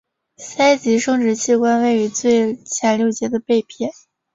鳃及生殖器官位于最前六节的背片。